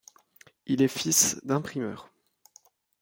Il est fils d'imprimeur.